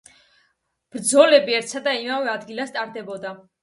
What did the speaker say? ბრძოლები ერთსა და იმავე ადგილას ტარდებოდა.